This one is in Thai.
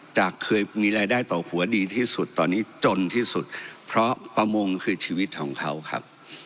เคยมีรายได้ต่อหัวดีที่สุดตอนนี้จนที่สุดเพราะประมงคือชีวิตของเขาครับ